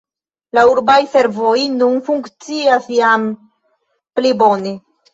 La urbaj servoj nun funkcias jam pli bone.